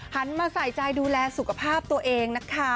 มาใส่ใจดูแลสุขภาพตัวเองนะคะ